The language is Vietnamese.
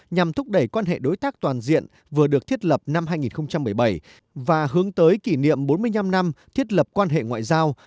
nhằm thúc đẩy quan hệ đối tác toàn diện vừa được thiết lập năm hai nghìn một mươi bảy và hướng tới kỷ niệm bốn mươi năm năm thiết lập quan hệ ngoại giao